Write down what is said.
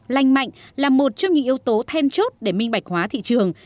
lành mạnh là một trong những yếu tố then chốt để minh bạch hóa thị trường